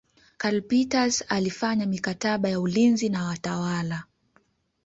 Karl Peters alifanya mikataba ya ulinzi na watawala